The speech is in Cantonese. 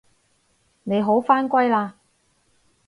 你好返歸喇